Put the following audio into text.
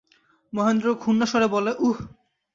মহেন্দ্র ক্ষুণ্নস্বরে বলে, উঃ!